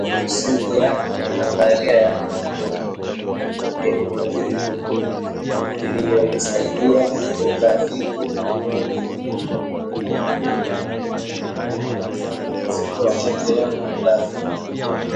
misingi ya nadharia ya kihemenitiki iliyomsaidia mtafiti kuumulika utenzi huu wakati wa utafiti